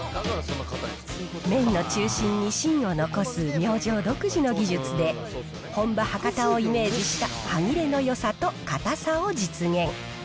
麺の中心に芯を残す明星独自の技術で、本場博多をイメージした歯切れのよさと硬さを実現。